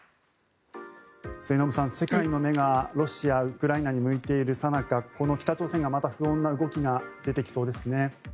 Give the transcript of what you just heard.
末延さん、世界の目がロシア、ウクライナに向いているさなかこの北朝鮮にまた不穏な動きが出てきそうですね。